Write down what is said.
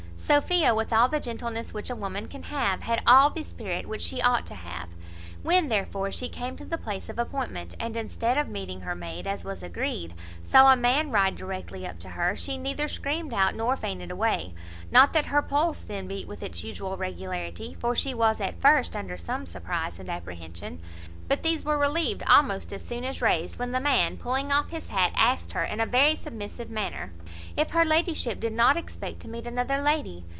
Sophia, with all the gentleness which a woman can have, had all the spirit which she ought to have. When, therefore, she came to the place of appointment, and, instead of meeting her maid, as was agreed, saw a man ride directly up to her, she neither screamed out nor fainted away: not that her pulse then beat with its usual regularity; for she was, at first, under some surprize and apprehension: but these were relieved almost as soon as raised, when the man, pulling off his hat, asked her, in a very submissive manner, "If her ladyship did not expect to meet another lady?"